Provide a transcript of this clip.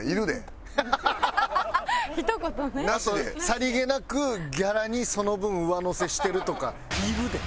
さりげなくギャラにその分上乗せしてるとかいるで。